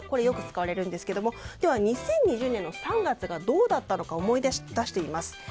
よく使われるんですけどもでは２０２０年の３月がどうだったのかを思い出してみます。